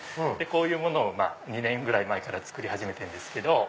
こういうものを２年ぐらい前から作り始めてるんですけど。